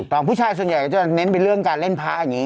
ผู้ชายส่วนใหญ่ก็จะเน้นไปเรื่องการเล่นพระอย่างนี้